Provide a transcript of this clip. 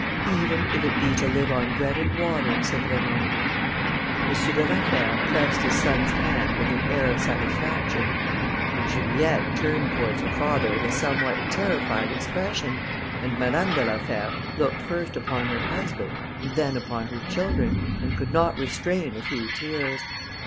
"Even if it be to live on bread and water," said Raymond. M. de la Fère pressed his son's hand with an air of satisfaction. But Juliette turned towards her father with a somewhat terrified expression, and Madame de la Fère looked first upon her husband, and then upon her children, and could not restrain a few tears.